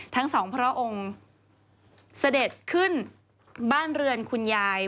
ทั้งสองพระองค์เสด็จขึ้นบ้านเรือนคุณยาย